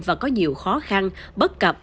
và có nhiều khó khăn bất cập